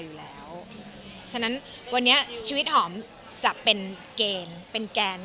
ฉะนั้นวันนี้ชีวิตหอมจะเป็นการ